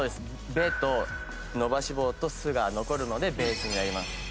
「ベ」と伸ばし棒と「ス」が残るので「ベース」になります。